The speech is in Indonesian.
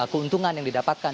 keuntungan yang didapatkan